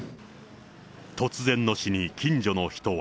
突然の死に、近所の人は。